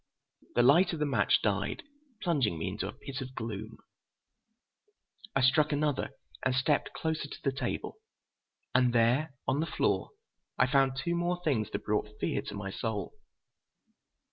The light of the match died, plunging me into a pit of gloom. I struck another and stepped closer to the table. And there, on the floor, I found two more things that brought fear to my soul.